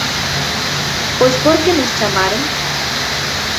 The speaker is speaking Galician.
Pois porque nos chamaron.